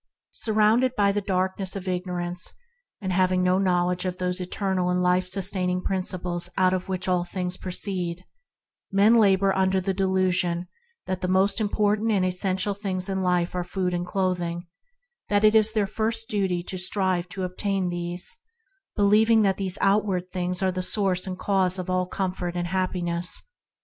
Surrounded by the darkness of ignorance, and having no knowledge of those eternal and life sustaining Principles out of which all things proceed, men labor under the delusion that the most important and essential things in life are food and cloth COMPETITIVE LAWS AND LAW OF LOVE 35 ing and that their first duty is to strive to obtain these, believing that these out ward things are the source and cause of all comfort and happiness.